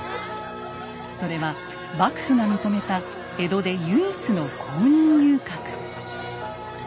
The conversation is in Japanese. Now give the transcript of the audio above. それは幕府が認めた江戸で唯一の公認遊郭。